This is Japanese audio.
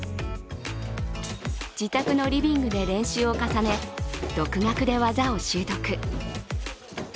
自宅のリビングで練習を重ね、独学で技を習得。